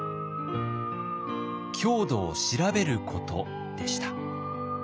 郷土を調べることでした。